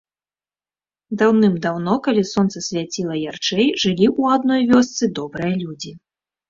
Даўным-даўно, калі сонца свяціла ярчэй, жылі ў адной весцы добрыя людзі.